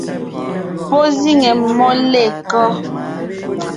Pɔ́ zíŋe mmó lêkɔ́?